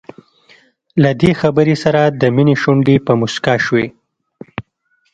له دې خبرې سره د مينې شونډې په مسکا شوې.